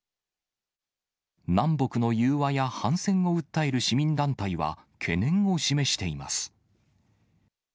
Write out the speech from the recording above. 南北の融和や反戦を訴える市民団体は、懸念を示しています。